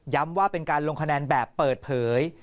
ว่าเป็นการลงคะแนนแบบเปิดเผย